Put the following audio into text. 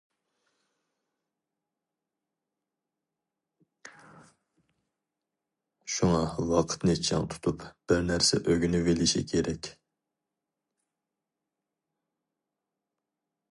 شۇڭا ۋاقتىنى چىڭ تۇتۇپ بىر نەرسە ئۆگىنىۋېلىشى كېرەك.